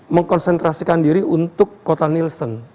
mengkonsentrasikan diri untuk kota nielsen